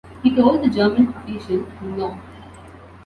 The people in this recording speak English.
He told the German official: No!